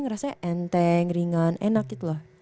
ngerasanya enteng ringan enak gitu loh